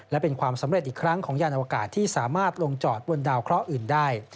และเป็นความสำเร็จอีกครั้งของยานอวกาศที่สามารถลงจอดบนดาวเคราะห์อื่นได้